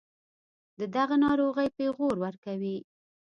دَدغه ناروغۍپېغور ورکوي